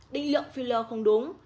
đinh lượng filler không đúng